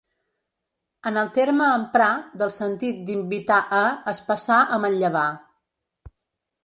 En el terme amprar, del sentit d’‘invitar a’ es passà a ‘manllevar’.